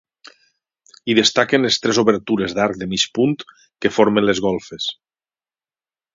Hi destaquen les tres obertures d'arc de mig punt que formen les golfes.